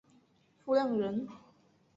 傅亮人。